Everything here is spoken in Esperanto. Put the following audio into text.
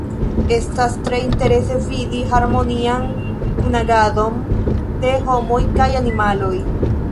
Estas tre interese vidi harmonian kunagadon de homoj kaj animaloj.